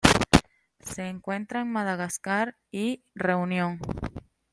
Se encuentra en Madagascar y Reunión.